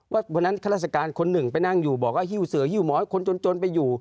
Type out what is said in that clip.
วันนั้นข้าราชการคนหนึ่งไปนั่งอยู่บอกว่าหิ้วเสือฮิ้วหมอยคนจนไปอยู่